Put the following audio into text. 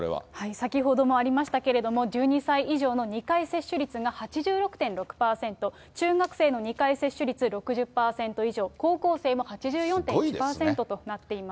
先ほどもありましたけれども、１２歳以上の２回接種率が８６．６％、中学生の２回接種率６０％以上、高校生も８４．１％となっています。